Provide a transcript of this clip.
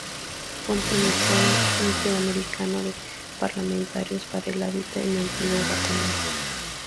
Ponente en el Foro Interamericano de Parlamentarios para el Hábitat en Antigua Guatemala.